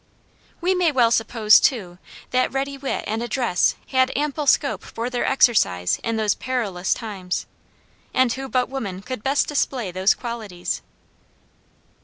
We may well suppose, too, that ready wit and address had ample scope for their exercise in those perilous times. And who but woman could best display those qualities?